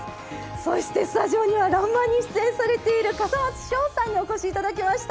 そしてスタジオには「らんまん」に出演されている笠松将さんにお越しいただきました。